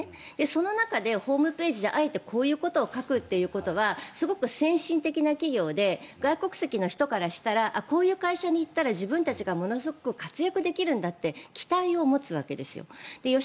その中で、ホームページであえてこういうことを書くということはすごく先進的な企業で外国籍の人からしたらこういう会社に行ったら自分たちがものすごく活躍できるんだって期待を持つわけですよ。